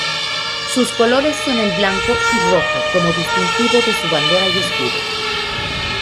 Sus colores son el blanco y rojo como distintivo de su bandera y escudo.